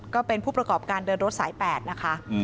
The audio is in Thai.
ก็เป็นผู้ประกอบการเดินรถสาย๘นะคะ